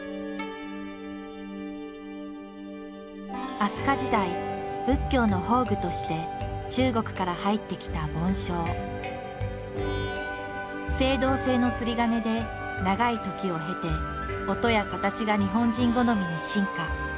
飛鳥時代仏教の法具として中国から入ってきた青銅製の釣り鐘で長い時を経て音や形が日本人好みに進化。